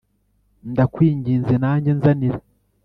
ndakwinginze nanjye nzanira